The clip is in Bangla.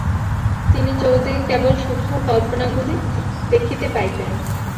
তিনি চতুর্দিকে কেবল সূক্ষ্ম কল্পনাগুলি দেখিতে পাইতেন।